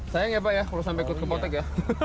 sayang ya pak ya kalau sampai ikut ke kotak ya